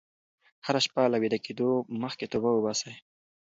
هره شپه له ویده کېدو مخکې توبه وباسئ.